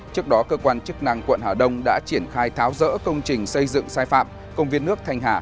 trước đó cơ quan chức năng quận hà đông đã triển khai tháo rỡ công trình xây dựng sai phạm công viên nước thanh hà